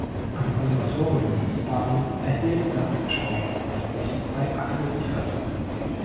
Am Konservatorium Wiesbaden erhielt er Schauspielunterricht bei Axel Ivers.